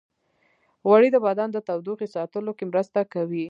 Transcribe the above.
غوړې د بدن د تودوخې ساتلو کې مرسته کوي.